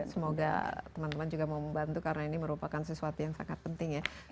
semoga teman teman juga mau membantu karena ini merupakan sesuatu yang sangat penting ya